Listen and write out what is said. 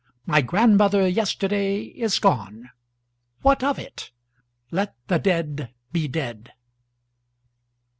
My grandmother, Yesterday, is gone. What of it? Let the dead be dead.